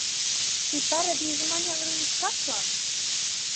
Šī paradīze man jau ir līdz kaklam!